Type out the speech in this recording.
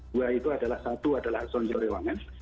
dua itu adalah satu adalah sonjo rewangan